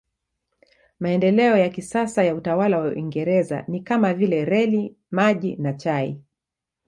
Maendeleo ya kisasa ya utawala wa Uingereza ni kama vile reli, maji na chai.